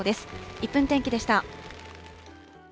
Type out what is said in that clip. １分天気でした。